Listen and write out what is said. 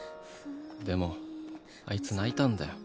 でもあいつ泣いたんだよ